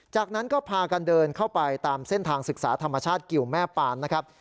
จากนั้นก็พากันเดินเข้าไปตามเส้นทางศึกษาธรรมชาติกิวแม่ปานนะครับ